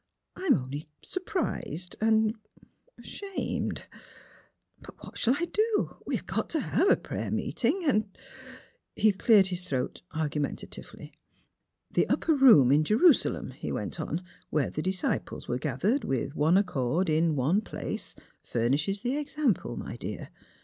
"I'm only surprised and — er — ashamed. But what shall I do? We've got to have a prayer meeting; and " He cleared his throat argumentatively. " The upper room in Jerusalem," he went on, " where the disciples were gathered, with one ac cord, in one place, furnishes the example, my dear.